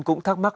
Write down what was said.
cũng thắc mắc